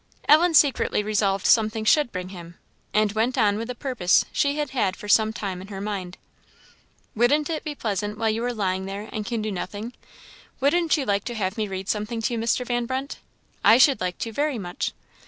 Ellen secretly resolved something should bring him; and went on with a purpose she had had for some time in her mind. "Wouldn't it be pleasant, while you are lying there and can do nothing wouldn't you like to have me read something to you, Mr. Van Brunt? I should like to, very much."